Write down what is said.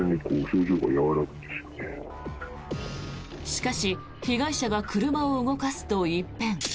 しかし被害者が車を動かすと一変。